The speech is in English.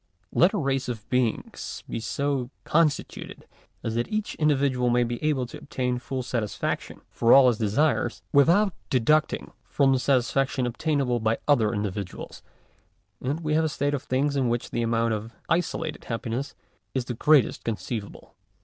Let a race of beings be so constituted as that each individual may be able to obtain full satisfaction Digitized by Google THE CONDITIONS OF ITS REALIZATION. 69 for all his desires, without deducting from the satisfaction obtainable by other individuals, and we have a state of things in which the amount of isolated happiness is the greatest conceivable.